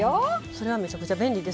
それはめちゃくちゃ便利ですね。